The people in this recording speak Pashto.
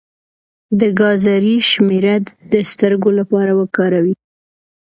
د ګازرې شیره د سترګو لپاره وکاروئ